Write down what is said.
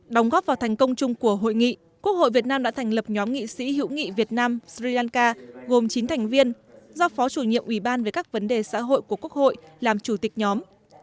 đồng góp vào thành công chung của hội nghị quốc hội việt nam đã thành lập nhóm nghị sĩ hữu nghị việt nam sri lanka gồm chín thành viên do phó chủ nhiệm ủy ban về các vấn đề xã hội của quốc hội làm chủ tịch nhóm